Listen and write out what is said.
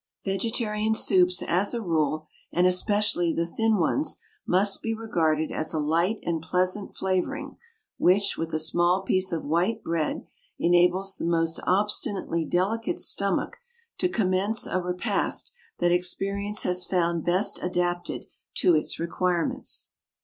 Vegetarian soups, as a rule, and especially the thin ones, must be regarded as a light and pleasant flavouring which, with a small piece of white bread enables the most obstinately delicate stomach to commence a repast that experience has found best adapted to its requirements.